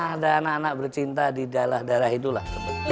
ada anak anak bercinta di dalah darah itulah